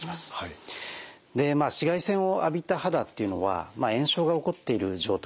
紫外線を浴びた肌っていうのは炎症が起こっている状態なんですね。